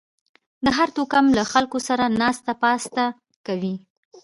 د هر توکم له خلکو سره ناسته پاسته کوئ